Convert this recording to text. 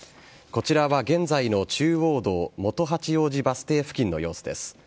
こちらは現在の中央道元八王子バス停付近の様子です。